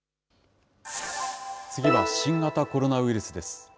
次は新型コロナウイルスです。